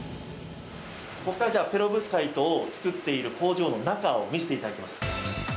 ペロブスカイトを作っている工場の中を見せていただきます。